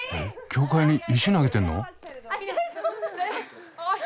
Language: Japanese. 教会に石投げてるの？